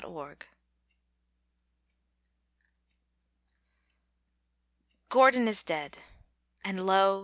_ Gordon is dead: and lo!